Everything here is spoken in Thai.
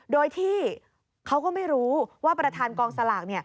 โดยที่เขาก็ไม่รู้ว่าประธานกองสลาก